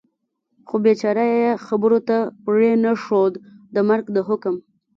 خو بېچاره یې خبرو ته پرېنښود، د مرګ د حکم.